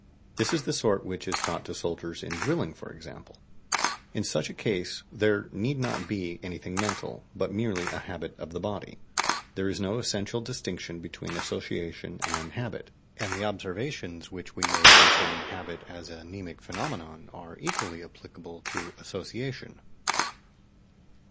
This is the sort which is taught to soldiers in drilling, for example. In such a case there need not be anything mental, but merely a habit of the body. There is no essential distinction between association and habit, and the observations which we made concerning habit as a mnemic phenomenon are equally applicable to association.